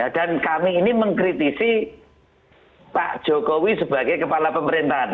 dan kami ini mengkritisi pak jokowi sebagai kepala pemerintahan